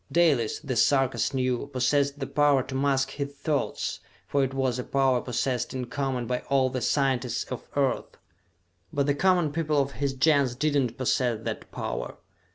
Dalis, the Sarkas knew, possessed the power to mask his thoughts, for it was a power possessed in common by all the scientists of Earth. But the common people of his Gens did not posses that power.